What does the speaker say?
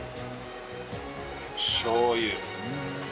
しょう油。